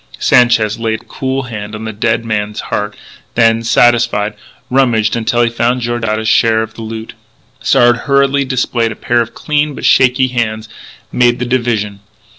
Sanchez laid a cool hand on the dead man's heart; then, satisfied, rummaged until he found Georgiades' share of the loot. Sard, hurriedly displaying a pair of clean but shaky hands, made the division.